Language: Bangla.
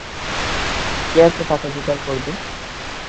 কে এত টাকা জোগাড় করবে?